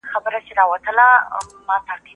له ځان سره په مینه اوسئ.